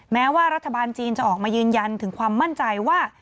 แม้ว่ารัฐบาลจีนจะออกมายืนยันถึงความมั่นใจว่า